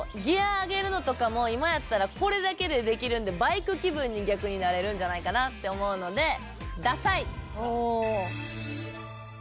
ギア上げるのとかも今やったらこれだけでできるのでバイク気分に逆になれるんじゃないかなって思うので。